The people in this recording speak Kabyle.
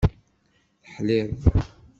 Teḥliḍ.